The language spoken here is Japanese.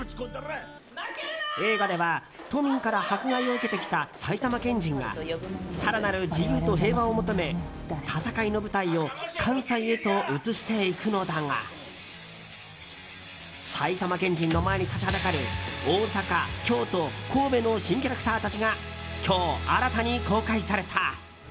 映画では都民から迫害を受けてきた埼玉県人が更なる自由と平和を求め戦いの舞台を関西へと移していくのだが埼玉県人の前に立ちはだかる大阪、京都、神戸の新キャラクターたちが今日、新たに公開された。